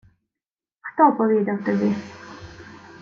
— Хто повідав тобі?